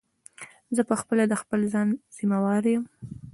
زه په خپله د خپل ځان ضیموار یم.